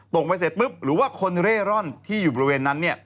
ตกไปเสร็จหรือว่าคนเร่ร่อนที่อยู่บริเวณนั้น